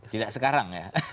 tidak sekarang ya